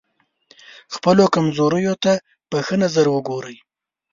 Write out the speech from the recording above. خپلو کمزوریو ته په ښه نظر وګورئ.